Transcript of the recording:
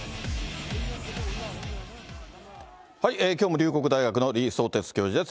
きょうも龍谷大学の李相哲教授です。